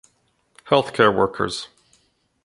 Healthcare Workers